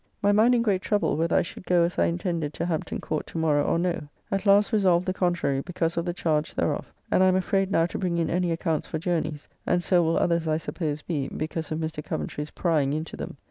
My mind in great trouble whether I should go as I intended to Hampton Court to morrow or no. At last resolved the contrary, because of the charge thereof, and I am afraid now to bring in any accounts for journeys, and so will others I suppose be, because of Mr. Coventry's prying into them.